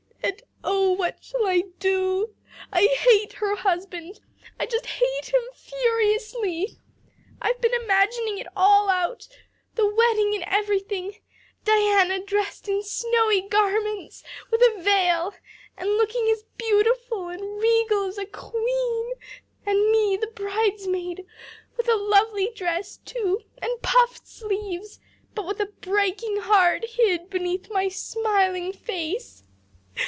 And oh, what shall I do? I hate her husband I just hate him furiously. I've been imagining it all out the wedding and everything Diana dressed in snowy garments, with a veil, and looking as beautiful and regal as a queen; and me the bridesmaid, with a lovely dress too, and puffed sleeves, but with a breaking heart hid beneath my smiling face.